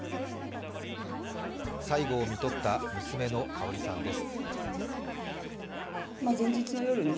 最期をみとった娘のかおりさんです。